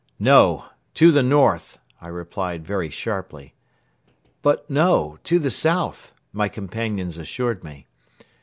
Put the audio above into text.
"No! To the north," I replied very sharply. "But no, to the south," my companions assured me.